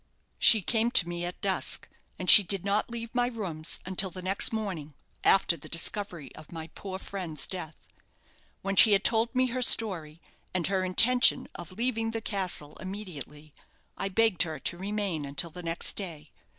"She came to me at dusk, and she did not leave my rooms until the next morning, after the discovery of my poor friend's death. When she had told me her story, and her intention of leaving the castle immediately, I begged her to remain until the next day.